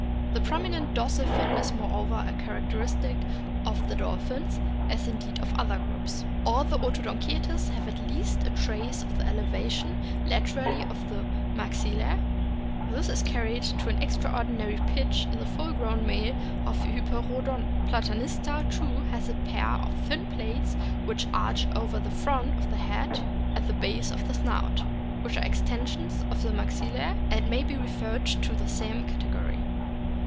The prominent dorsal fin is moreover a charac teristic of the dolphins, as indeed of other groups. All the Odontocetes have at least a trace of the elevation laterally of the maxillae ; this is carried to an extraordinary pitch in the full grown male of Hyperoodon. Platanista too has a pair of thin plates which arch over the front of the head at the base of the snout, which are extensions of the maxillae, and may be referred to the same category.